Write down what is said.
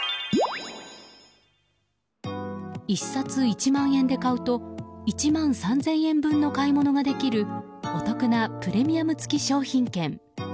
１冊１万円で買うと１万３０００円分の買い物ができるお得なプレミアム付商品券。